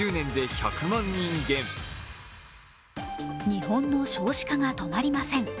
日本の少子化が止まりません。